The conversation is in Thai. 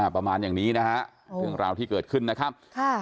ประมาณอย่างนี้นะฮะเรื่องราวที่เกิดขึ้นนะครับ